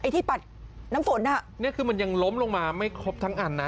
ที่ปัดน้ำฝนอ่ะนี่คือมันยังล้มลงมาไม่ครบทั้งอันนะ